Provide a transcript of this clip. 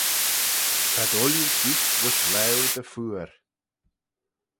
T'ad ooilley gioot voish laue dty phooar.